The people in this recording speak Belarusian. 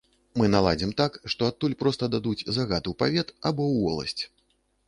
Мы наладзім так, што адтуль проста дадуць загад у павет або ў воласць.